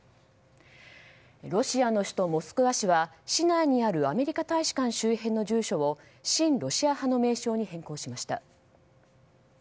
ロシアの首都モスクワ市は市内にあるアメリカ大使館周辺の住所を親ロシア派の名称に変更しました。